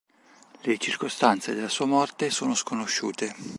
Le circostanze della sua morte sono sconosciute.